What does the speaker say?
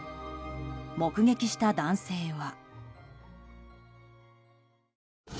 目撃した男性は。